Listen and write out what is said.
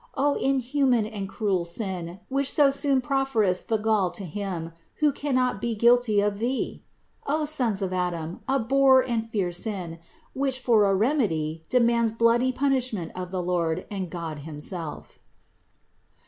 O inhuman and cruel sin, which so soon profferest the gall to Him, who cannot be guilty of thee ! O sons of Adam, abhor and fear sin, which, for a remedy, demands bloody punishment of the Lord and God him self."